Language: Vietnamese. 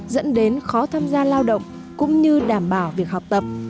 dẫn đến khó tham gia lao động cũng như đảm bảo việc học tập